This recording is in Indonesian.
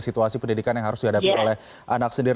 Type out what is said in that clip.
situasi pendidikan yang harus dihadapi oleh anak sendiri